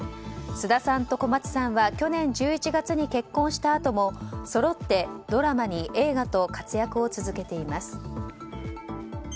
菅田さんと小松さんは去年１１月に結婚したあともそろってドラマに映画と活躍を続けています。